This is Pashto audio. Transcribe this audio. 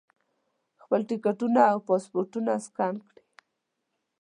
خپل ټکټونه او پاسپورټونه سکین کړي.